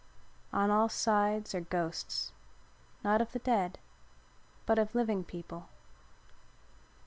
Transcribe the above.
On all sides are ghosts, not of the dead, but of living people.